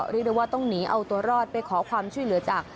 เรียกได้ว่าต้องหนีเอาตัวรอดไปขอความช่วยเหลือจาก